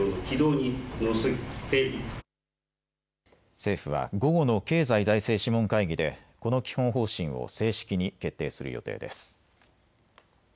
政府は午後の経済財政諮問会議でこの基本方針を正式に決定する予定です。